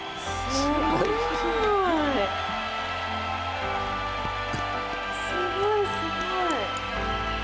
すごいすごい。